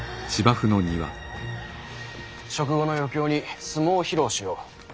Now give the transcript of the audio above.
食後の余興に相撲を披露しよう。